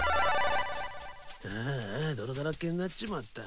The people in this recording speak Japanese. ああ泥だらけになっちまった。